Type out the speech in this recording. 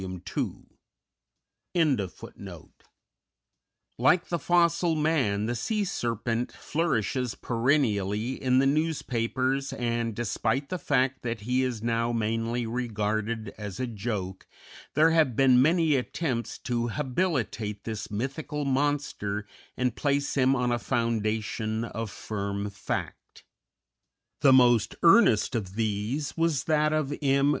II._ Like the "Fossil man" the sea serpent flourishes perennially in the newspapers and, despite the fact that he is now mainly regarded as a joke, there have been many attempts to habilitate this mythical monster and place him on a foundation of firm fact. The most earnest of these was that of M.